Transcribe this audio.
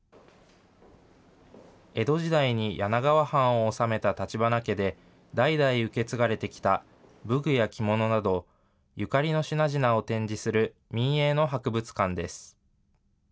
江戸時代に柳川藩を治めた立花家で、代々受け継がれてきた武具や着物など、ゆかりの品々を展示する民営の博物館です。